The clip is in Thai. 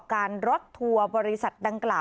นางวราภร